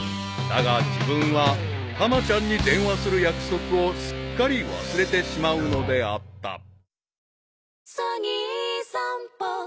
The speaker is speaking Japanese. ［だが自分はたまちゃんに電話する約束をすっかり忘れてしまうのであった］